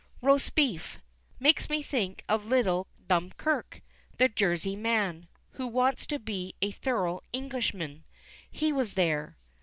'Roast Beef.' Makes me think of little Dumerque, the Jersey man, who wants to be a thorough Englishman. He was there.